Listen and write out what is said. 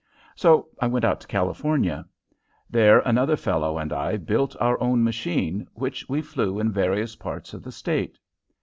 So I went out to California. There another fellow and I built our own machine, which we flew in various parts of the state.